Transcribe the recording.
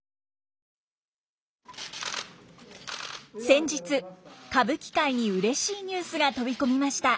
先日歌舞伎界にうれしいニュースが飛び込みました。